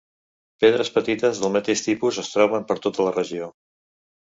Pedres petites del mateix tipus es troben per tota la regió.